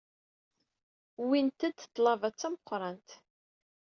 Uwyent-d ḍḍlaba d tameqrant.